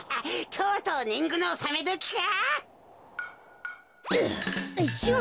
とうとうねんぐのおさめどきか。